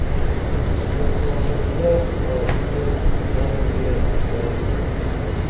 موکھا موکھیہ آڅی ایس ڈنگ گِرنکھتئین یِنا